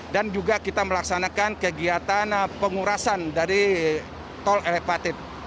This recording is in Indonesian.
dan juga kita melaksanakan kegiatan pengurasan dari tol elepatit